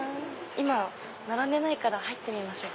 今並んでないから入ってみましょう。